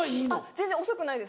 全然遅くないです。